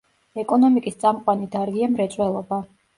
ეკონომიკის წამყვანი დარგია მრეწველობა.